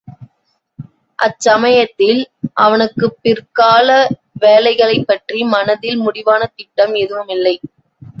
அச்சமயத்தில் அவனுக்குப்பிற்கால வேலைகளைப்பற்றி மனதில் முடிவான திட்டம் எதுவுமில்லை.